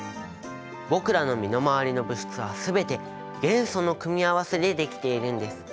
僕らの身の回りの物質は全て元素の組み合わせで出来ているんです。